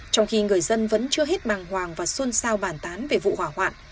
trong khi người dân vẫn chưa hết màng hoàng và xuân sao bản tán về vụ hỏa hoạn